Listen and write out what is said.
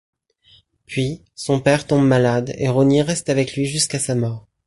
Puis, son père tombe malade et Ronnie reste avec lui jusqu'à sa mort.